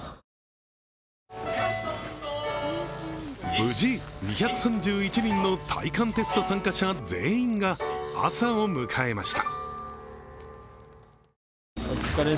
無事、２３１人の耐寒テスト参加者全員が朝を迎えました。